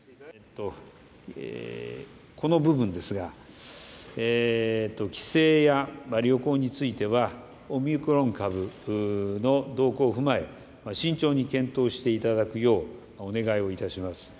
この部分ですが、帰省や旅行については、オミクロン株の動向を踏まえ、慎重に検討していただくようお願いをいたします。